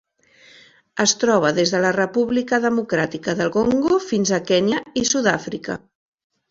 Es troba des de la República Democràtica del Congo fins a Kenya i Sud-àfrica.